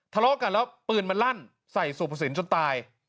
ทะเลาะกันแล้วปืนมันลั่นใส่สุภสินจนตาย